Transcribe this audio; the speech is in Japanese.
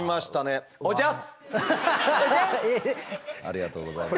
ありがとうございます。